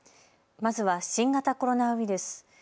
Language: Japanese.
まずは新型コロナウイルス。